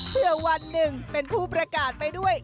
เพื่อวันหนึ่งเป็นผู้ประกาศไปด้วย